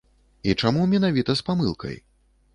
І чаму менавіта з памылкай?